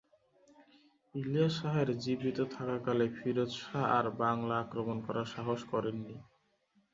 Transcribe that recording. ইলিয়াস শাহের জীবিত থাকাকালে ফিরোজ শাহ আর বাংলা আক্রমণ করার সাহস করেন নি।